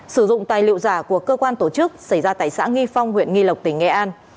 sử dụng tài liệu giả của cơ quan tổ chức xảy ra tại xã nghi phong huyện nghi lộc tỉnh nghệ an